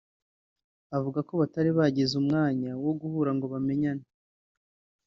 avuga ko batari baragize umwanya wo guhura ngo bamenyane